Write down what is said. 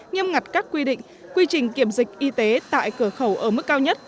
nghiêm ngặt các quy định quy trình kiểm dịch y tế tại cửa khẩu ở mức cao nhất